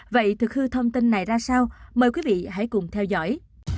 vậy thực hư thông tin này ra sao mời quý vị hãy cùng theo dõi